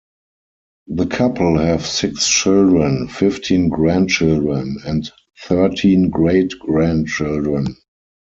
The couple have six children, fifteen grandchildren, and thirteen great-grandchildren.